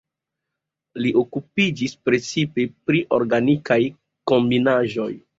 Li okupiĝis precipe pri organikaj kombinaĵoj.